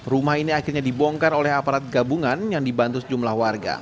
rumah ini akhirnya dibongkar oleh aparat gabungan yang dibantu sejumlah warga